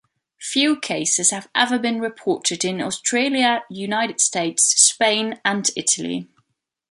Few cases have ever been reported in Australia, United States, Spain, and Italy.